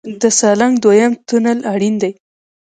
د سالنګ دویم تونل اړین دی